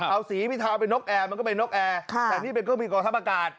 เอาสีพิทาเป็นนกแอร์มันก็เป็นนกแอร์แต่นี่เป็นเครื่องบินกองทัพอากาศ